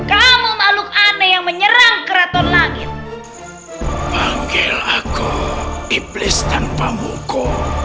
kamu makhluk aneh yang menyerang keraton langit panggil aku iblis tanpa buku